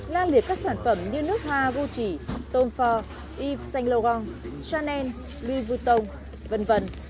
lan liệt các sản phẩm như nước hoa gucci tom ford yves saint laurent chanel louis vuitton v v